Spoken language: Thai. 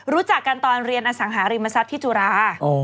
รู้จักกันตอนเรียนอสังหาริมทรัพย์ที่จุฬา